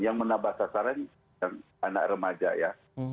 yang menambah sasaran yang anak remaja ya